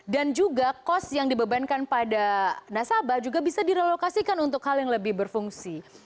dan juga cost yang dibebankan pada nasabah juga bisa direlokasikan untuk hal yang lebih berfungsi